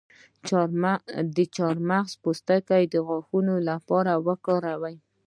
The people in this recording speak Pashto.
د چارمغز پوستکی د غاښونو لپاره وکاروئ